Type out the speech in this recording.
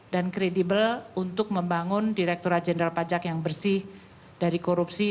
dan kredibel untuk membangun direkturat jenderal pajak yang bersih dari korupsi